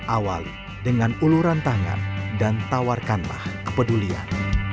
awali dengan uluran tangan dan tawarkanlah kepedulian